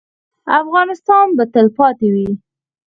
افغانستان به تلپاتې وي؟